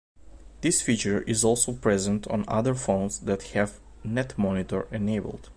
This feature is also present on other phones that have "netmonitor" enabled.